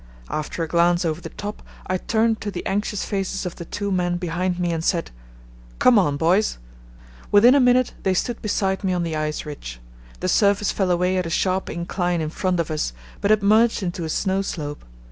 After a glance over the top I turned to the anxious faces of the two men behind me and said, "Come on, boys." Within a minute they stood beside me on the ice ridge. The surface fell away at a sharp incline in front of us, but it merged into a snow slope.